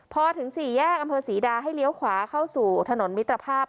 พอถึงสี่แยกอำเภอศรีดาให้เลี้ยวขวาเข้าสู่ถนนมิตรภาพ